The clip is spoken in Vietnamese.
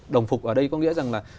đồng phục ở đây có nghĩa rằng là